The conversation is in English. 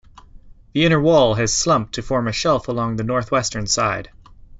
The inner wall has slumped to form a shelf along the northwestern side.